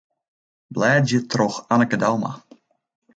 Blêdzje troch Anneke Douma.